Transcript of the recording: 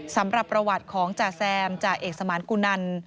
สำหรับประวัติของจ่าแซมจ่าเอกสมานกุนัน